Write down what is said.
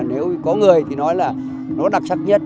nếu có người thì nói là nó đặc sắc nhất